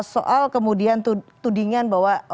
soal kemudian tudingan bahwa